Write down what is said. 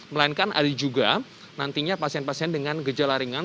melainkan ada juga nantinya pasien pasien dengan gejala ringan